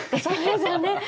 そうですよね。